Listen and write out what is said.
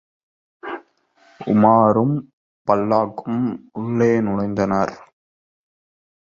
உமாரும், பல்லக்கும் உள்ளே நுழைந்தனர்.